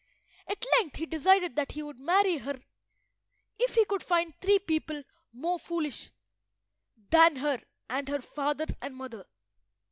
At length he decided that he would marry her if he could find three people more foolish than her and her father and mother.